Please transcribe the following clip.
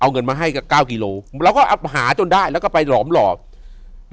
เอาเงินมาให้ก็๙กิโลเหล่าหาจนได้แล้วก็ไปหลอมเหล่า